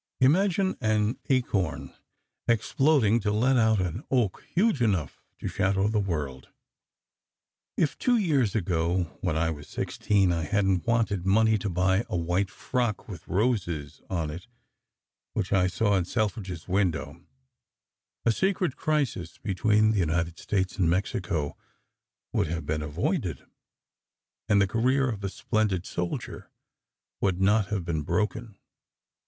Imagine an acorn exploding to let out an oak huge enough to shadow the world ! If, two years ago, when I was sixteen, I hadn t wanted money to buy a white frock with roses on it, which I saw in Selfridge s window, a secret crisis between the United States and Mexico would have been avoided; and the career of a splendid soldier would not have been broken.